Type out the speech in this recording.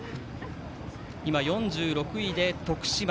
４６位で徳島。